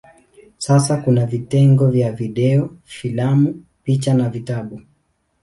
Sasa kuna vitengo vya video, filamu, picha na vitabu.